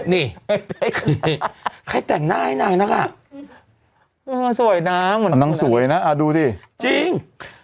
นี่ใครแต่งหน้าให้นางนะคะเออสวยน้ำน้องสวยน่ะอ่ะดูสิจริง